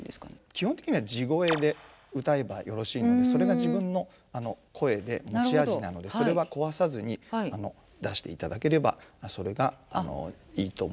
基本的には地声で歌えばよろしいのでそれが自分の声で持ち味なのでそれは壊さずに出していただければそれがいいと思いますけれども。